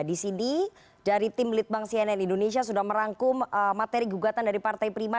di sini dari tim litbang cnn indonesia sudah merangkum materi gugatan dari partai prima